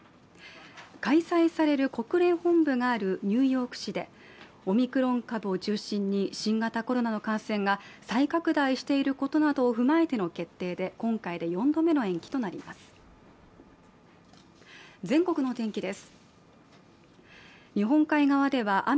開催される国連本部があるニューヨーク市でオミクロン株を中心に新型コロナの感染が再拡大していることなどを踏まえての決定で今回で４度目の延期となります。